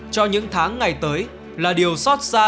cho những tháng ngày tới là điều xót xa